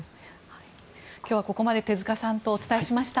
今日はここまで手塚さんとお伝えしました。